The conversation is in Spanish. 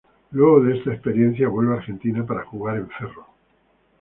Luego de esta experiencia, vuelve a Argentina para jugar en Ferro.